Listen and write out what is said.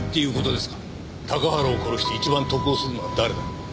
高原を殺して一番得をするのは誰だろう？